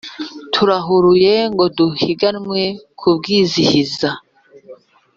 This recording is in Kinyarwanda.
turahuruye ngo duhiganwe kubwizihiza